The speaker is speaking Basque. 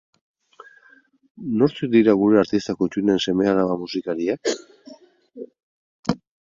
Nortzuk dira gure artista kuttunen seme-alaba musikariak?